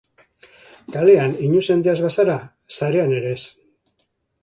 Kalean inuzentea ez bazara, sarean ere ez.